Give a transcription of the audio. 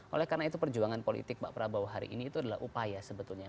oleh karena itu perjuangan politik pak prabowo hari ini itu adalah upaya sebetulnya